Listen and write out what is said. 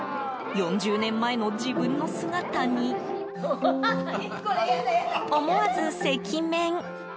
４０年前の自分の姿に思わず赤面。